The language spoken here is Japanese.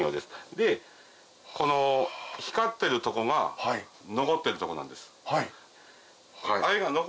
でこの光ってるとこが残ってるとこなんです。